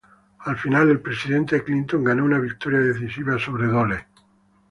Al final, el presidente Clinton ganó una victoria decisiva sobre Dole.